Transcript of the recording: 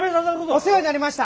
お世話になりました。